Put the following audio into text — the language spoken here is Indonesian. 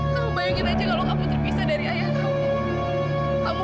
kamu bayangin aja kalau kamu terpisah dari ayah kamu